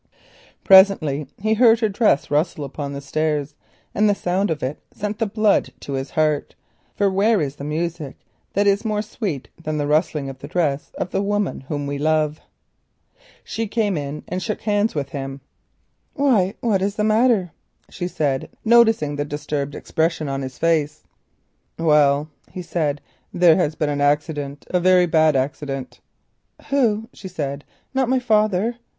Presently he heard her dress rustle upon the stairs, and the sound of it sent the blood to his heart, for where is the music that is more sweet than the rustling of the dress of the woman whom we love? "Why, what is the matter?" she said, noticing the disturbed expression on his face. "Well," he said, "there has been an accident—a very bad accident." "Who?" she said. "Not my father?"